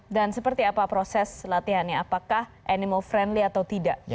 dan seperti apa proses latihannya apakah animal friendly atau tidak